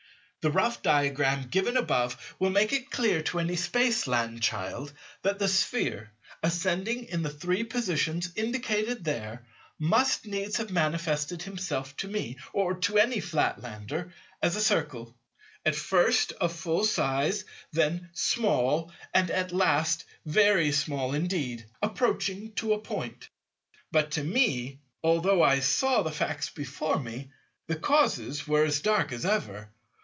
The rough diagram given above will make it clear to any Spaceland child that the Sphere, ascending in the three positions indicated there, must needs have manifested himself to me, or to any Flatlander, as a Circle, at first of full size, then small, and at last very small indeed, approaching to a Point. But to me, although I saw the facts before me, the causes were as dark as ever.